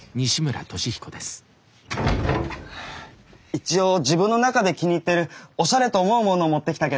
一応自分の中で気に入ってるおしゃれと思うものを持ってきたけど。